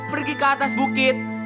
pergi ke atas bukit